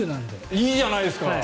いいじゃないですか。